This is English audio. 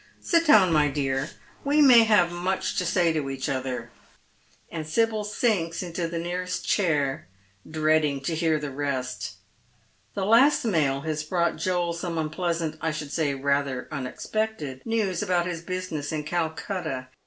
" Sit down, my dear. We may have much to say to each other ;" and Sibyl sinks into the nearest chair, dreading to hear the rest. " The last mail has brought Joel some unpleasant — I ehould rather say some unexpected — news about his business in Calcutta.